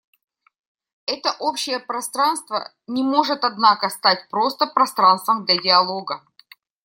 Это общее пространство не может, однако, стать просто пространством для диалога.